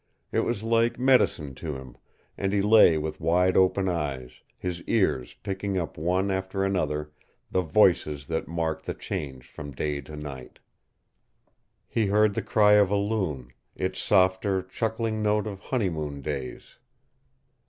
It was like medicine to him, and he lay with wide open eyes, his ears picking up one after another the voices that marked the change from day to night. He heard the cry of a loon, its softer, chuckling note of honeymoon days.